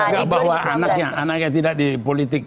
enggak bahwa anaknya tidak di politik